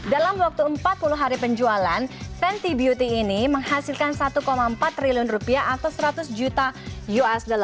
dalam waktu empat puluh hari penjualan fenty beauty ini menghasilkan satu empat triliun rupiah atau seratus juta usd